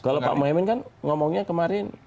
kalau pak mohaimin kan ngomongnya kemarin